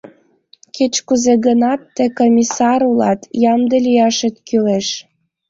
«Кеч-кузе гынат, тый комиссар улат: ямде лияшет кӱлеш!»